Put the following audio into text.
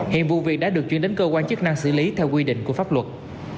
hiện vụ việc đã được chuyển đến cơ quan chức năng xử lý theo quy định của pháp luật